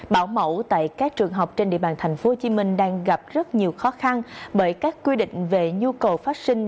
bảo mẫu tại các trường học trên địa bàn tp hcm đang gặp rất nhiều khó khăn bởi các quy định về nhu cầu phát sinh